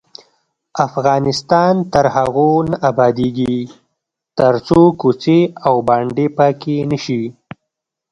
افغانستان تر هغو نه ابادیږي، ترڅو کوڅې او بانډې پاکې نشي.